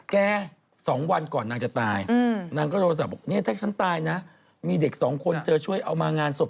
ก็ว่ากับไปแต่คนมันไม่ว่างอ่ะเนอะ